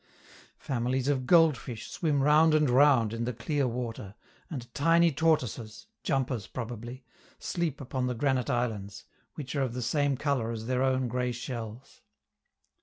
Families of goldfish swim round and round in the clear water, and tiny tortoises (jumpers probably) sleep upon the granite islands, which are of the same color as their own gray shells.